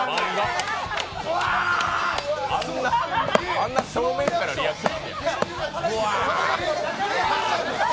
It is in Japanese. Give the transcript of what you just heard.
あんな正面からリアクション。